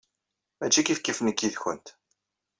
Mačči kifkif nekk yid-kent.